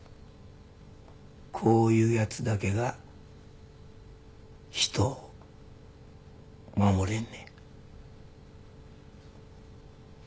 こういうヤツだけが人を守れんねや。